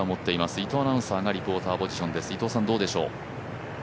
伊藤アナウンサーがリポーターポジションです。